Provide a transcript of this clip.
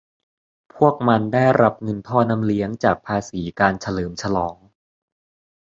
พวกมันได้รับเงินท่อน้ำเลี้ยงจากภาษีการเฉลิมฉลอง